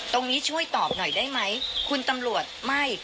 ช่วยตอบหน่อยได้ไหมคุณตำรวจไม่